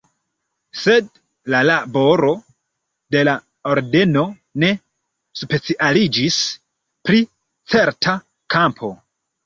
Sed la laboro de la ordeno ne specialiĝis pri certa kampo.